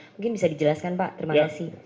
mungkin bisa dijelaskan pak terima kasih